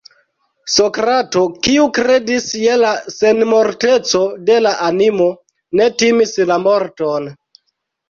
Sokrato, kiu kredis je la senmorteco de la animo, ne timis la morton.